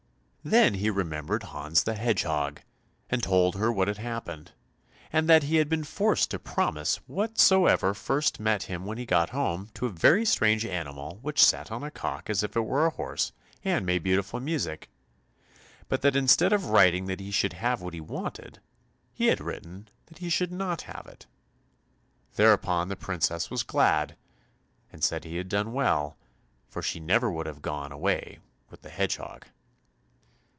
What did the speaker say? Then he remembered Hans the Hedgehog, and told her what had happened, and that he had been forced to promise whatsoever first met him when he got home, to a very strange animal which sat on a cock as if it were a horse, and made beautiful music, but that instead of writing that he should have what he wanted, he had written that he should not have it. Thereupon the princess was glad, and said he had done well, for she never would have gone away with the Hedgehog.